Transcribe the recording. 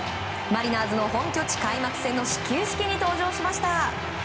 マリナーズの本拠地開幕戦の始球式に登場しました。